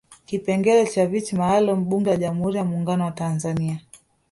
Kipengele cha viti maalum Bunge la Jamhuri ya Muungano wa Tanzania